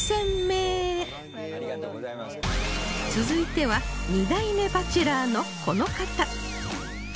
続いては２代目バチェラーのこの方